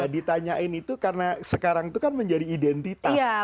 ditanyain itu karena sekarang itu kan menjadi identitas